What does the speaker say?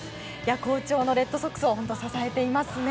好調のレッドソックスを支えていますね。